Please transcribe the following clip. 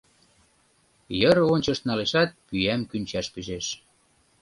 Йыр ончышт налешат, пӱям кӱнчаш пижеш.